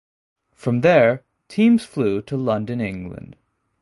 From there, teams flew to London, England.